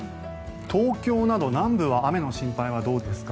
東京など南部は雨の心配はどうですか？